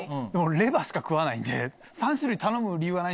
レバーしか食わない。